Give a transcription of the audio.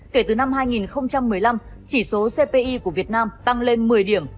kể từ năm hai nghìn một mươi năm chỉ số cpi của việt nam tăng lên một mươi điểm